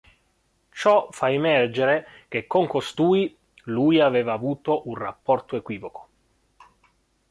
Ciò fa emergere che con costui lui aveva avuto un rapporto equivoco.